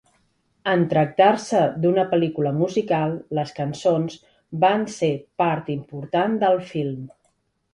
En tractar-se d'una pel·lícula musical les cançons van ser part important del film.